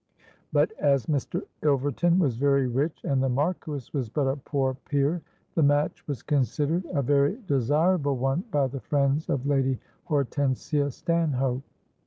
But as Mr. Ilverton was very rich, and the Marquis was but a poor peer, the match was considered a very desirable one by the friends of Lady Hortensia Stanhope.